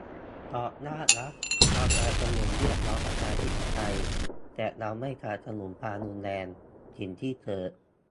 ตอบยากนะ เราสนับสนุนเรียกร้องประชาธิปไตย แต่เราไม่สนับสนุนความรุนแรง สิ่งที่เกิด